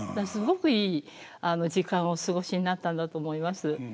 すごくいい時間をお過ごしになったんだと思います。